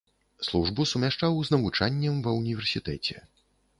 Службу сумяшчаў з навучаннем ва ўніверсітэце.